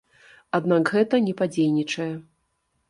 Аднак гэта не падзейнічае.